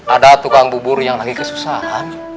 ada tukang bubur yang lagi kesusahan